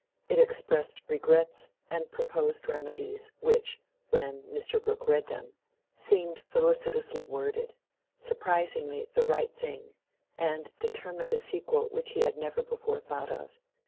It expressed regrets and proposed remedies, which, when Mr. Brooke read them, seemed felicitously worded—surprisingly the right thing, and determined a sequel which he had never before thought of.